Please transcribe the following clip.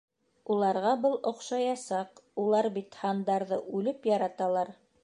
Уларға был оҡшаясаҡ, улар бит һандарҙы үлеп яраталар.